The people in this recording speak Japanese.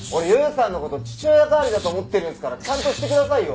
さんの事父親代わりだと思ってるんですからちゃんとしてくださいよ。